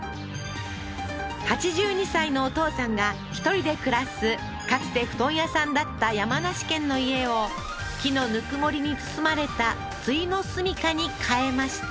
８２歳のお父さんが１人で暮らすかつて布団屋さんだった山梨県の家を木のぬくもりに包まれた終の住処に変えました